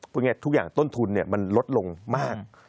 พูดง่ายทุกอย่างต้นทุนมันลดลงมาก